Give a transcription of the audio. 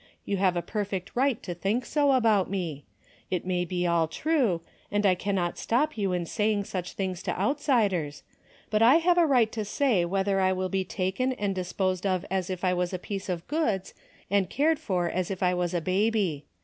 You have a perfect right to think so about me. It may be all true, and I cannot stop you in saying such things to outsiders, but 1 have a right to say whether I will be taken and disposed of as if I was a piece of goods, and cared for as if I was a baby.